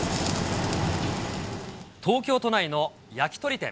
東京都内の焼き鳥店。